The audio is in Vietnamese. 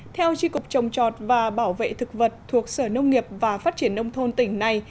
theo tri cục trồng chọt và bảo vệ thực vật thuộc sở nông nghiệp và phát triển nông thôn tỉnh này